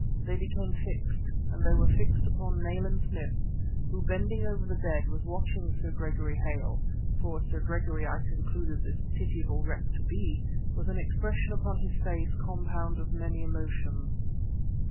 They became fixed; and they were fixed upon Nayland Smith, who bending over the bed, was watching Sir Gregory (for Sir Gregory I concluded this pitiable wreck to be) with an expression upon his face compound of many emotions.